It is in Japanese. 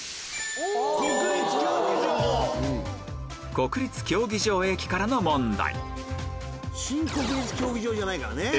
国立競技場駅からの問題